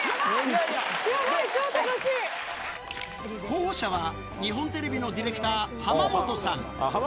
候補者は日本テレビのディレクター、浜本さん。